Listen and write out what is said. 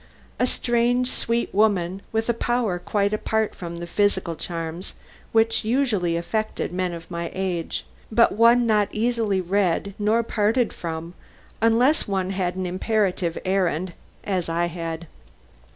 A strange sweet woman, with a power quite apart from the physical charms which usually affect men of my age, but one not easily read nor parted from unless one had an imperative errand, as I had.